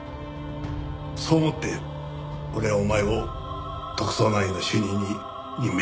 そう思って俺はお前を特捜９の主任に任命したんだ。